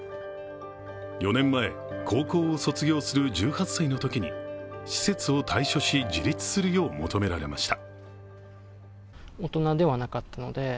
４年前、高校を卒業する１８歳のときに施設を退所し自立するよう求められました。